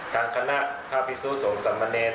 ทางคณะภาพีซูสงสำเมน